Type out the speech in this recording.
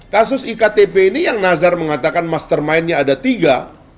kasus iktp ini yang nazar mengatakan mastermindnya ada tiga